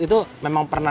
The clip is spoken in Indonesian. itu memang pernah